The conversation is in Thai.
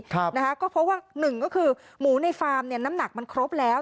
เพราะว่าหนึ่งก็คือหมูในฟาร์มเนี่ยน้ำหนักมันครบแล้ว